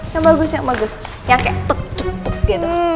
yang bagus yang bagus yang kayak tuk tuk gitu